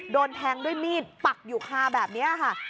โดนแทงด้วยมีดปักอยู่คาแบบนี้ค่ะ